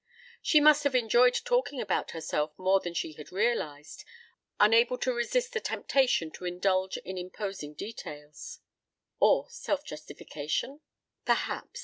She must have enjoyed talking about herself more than she had realized, unable to resist the temptation to indulge in imposing details. Or self justification? Perhaps.